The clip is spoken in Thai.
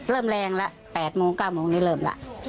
เริ่มแรงละ๘โมง๙โมงนี้เริ่มล่ะ